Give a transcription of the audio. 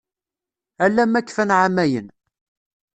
Ala ma kfan εamayan.